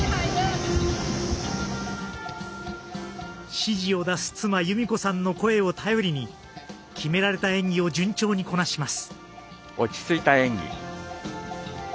指示を出す妻、裕美子さんの声を頼りに決められた演技を順調にこなします。